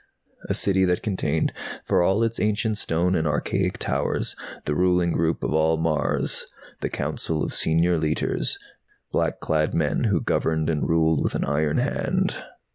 A City that contained, for all its ancient stone and archaic towers, the ruling group of all Mars, the Council of Senior Leiters, black clad men who governed and ruled with an iron hand.